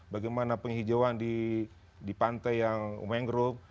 bagaimana penghijauan di pantai yang umengruk